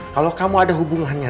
kalau kamu ada hubungannya